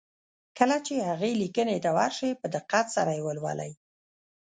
کله چې هغې ليکنې ته ور شئ په دقت سره يې ولولئ.